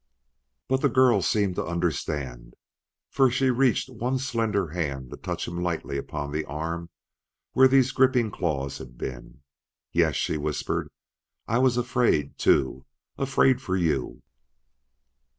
But the girl seemed to understand, for she reached one slender hand to touch him lightly upon the arm where these gripping claws had been. "Yes," she whispered; "I was afraid, too afraid for you!"